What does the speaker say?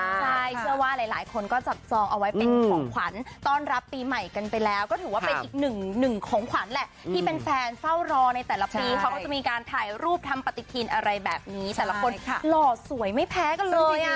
ใช่เชื่อว่าหลายคนก็จับจองเอาไว้เป็นของขวัญต้อนรับปีใหม่กันไปแล้วก็ถือว่าเป็นอีกหนึ่งของขวัญแหละที่เป็นแฟนเฝ้ารอในแต่ละปีเขาก็จะมีการถ่ายรูปทำปฏิทินอะไรแบบนี้แต่ละคนหล่อสวยไม่แพ้กันเลยอ่ะ